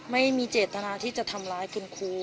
ไม่มีเจตนาที่จะทำร้ายคุณครู